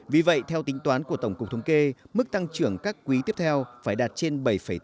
vì vậy theo tính toán của tổng cục thống kê mức tăng trưởng các quý tiếp theo phải đạt trên bảy tám